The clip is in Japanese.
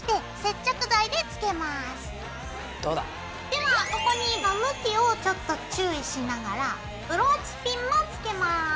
ではここに向きをちょっと注意しながらブローチピンもつけます。